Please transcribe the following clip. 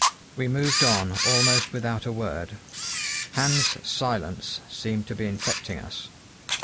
We moved on almost without a word. Hans' silence seemed to be infecting us.